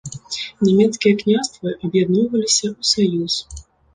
Нямецкія княствы аб'ядноўваліся ў саюз.